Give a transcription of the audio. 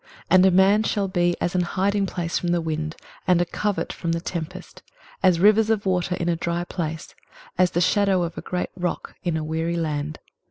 23:032:002 And a man shall be as an hiding place from the wind, and a covert from the tempest; as rivers of water in a dry place, as the shadow of a great rock in a weary land.